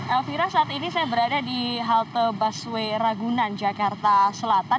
elvira saat ini saya berada di halte busway ragunan jakarta selatan